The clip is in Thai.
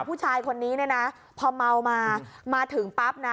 ผู้ชายคนนี้เนี่ยนะพอเมามามาถึงปั๊บนะ